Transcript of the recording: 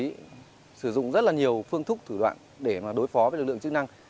thì sử dụng rất là nhiều phương thức thủ đoạn để đối phó với lực lượng chức năng